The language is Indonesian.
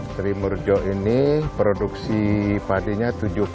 trimerjo ini produksi padinya tujuh delapan